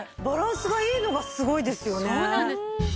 バランスがいいのがすごいですよね。